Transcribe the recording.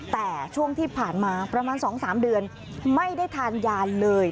แต่ช่วงที่ผ่านมาประมาณ๒๓เดือนไม่ได้ทานยาเลย